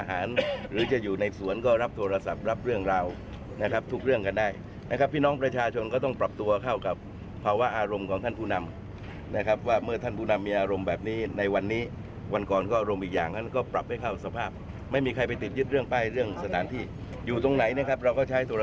หรือจะอยู่ในสวนก็รับโทรศัพท์รับเรื่องราวนะครับทุกเรื่องกันได้นะครับพี่น้องประชาชนก็ต้องปรับตัวเข้ากับภาวะอารมณ์ของท่านผู้นำนะครับว่าเมื่อท่านผู้นำมีอารมณ์แบบนี้ในวันนี้วันก่อนก็อารมณ์อีกอย่างนั้นก็ปรับให้เข้าสภาพไม่มีใครไปติดยึดเรื่องป้ายเรื่องสถานที่อยู่ตรงไหนนะครับเราก็ใช้ตัว